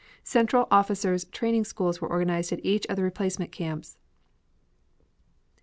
Central officers' training schools were organized at each of the replacement camps.